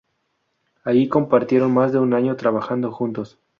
Ahí compartieron más de un año trabajando juntos.